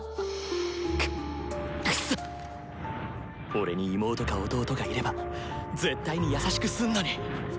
俺に妹か弟がいれば絶対に優しくすんのに！